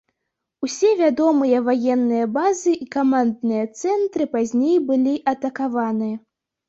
Усе вядомыя ваенныя базы і камандныя цэнтры пазней былі атакаваны.